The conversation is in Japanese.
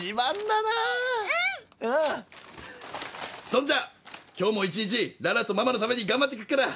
そんじゃ今日も１日羅羅とママのために頑張ってくっから。